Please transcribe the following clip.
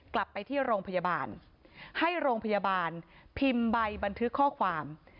กลับไปที่โรงพยาบาลให้โรงพยาบาลพิมพ์ใบบันทึกข้อความ